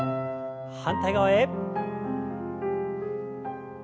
反対側へ。